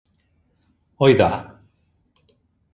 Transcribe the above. Oidà!